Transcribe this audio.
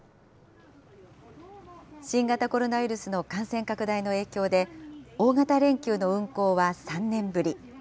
新型コロナウイルスの感染拡大の影響で、大型連休の運航は３年ぶり。